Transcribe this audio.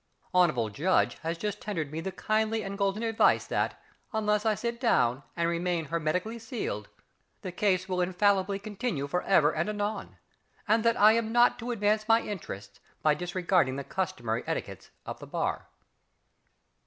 Hon'ble Judge has just tendered me the kindly and golden advice that, unless I sit down and remain hermetically sealed, the case will infallibly continue for ever and anon, and that I am not to advance my interests by disregarding the customary etiquettes of the Bar.